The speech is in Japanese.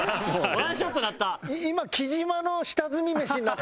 ワンショットになった。